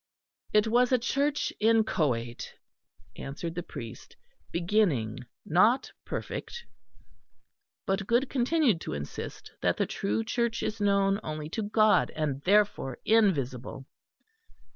"It was a Church inchoate," answered the priest, "beginning, not perfect." But Goode continued to insist that the true Church is known only to God, and therefore invisible.